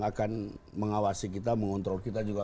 akan mengawasi kita mengontrol kita juga